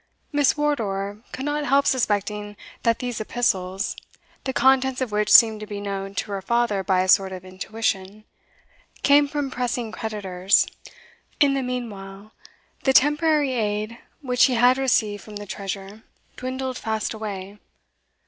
Miss Wardour could not help suspecting that these epistles, the contents of which seemed to be known to her father by a sort of intuition, came from pressing creditors. In the meanwhile, the temporary aid which he had received from the treasure dwindled fast away.